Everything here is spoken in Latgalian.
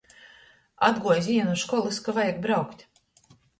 Atguoja ziņa nu školys, ka vajag braukt.